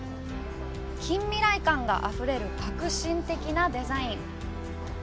近未来感があふれる革新的なデザイン。